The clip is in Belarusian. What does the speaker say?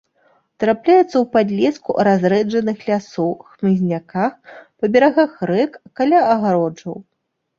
Трапляюцца ў падлеску разрэджаных лясоў, хмызняках, па берагах рэк, каля агароджаў.